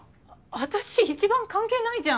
私一番関係ないじゃん。